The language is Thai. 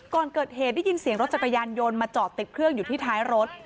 ก่อนเกิดเหตุได้ยินเสียงรถจักรยานยนต์มาจอดติดเครื่องอยู่ที่ท้ายรถ